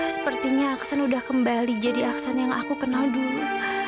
sepertinya aksen udah kembali jadi aksan yang aku kenal dulu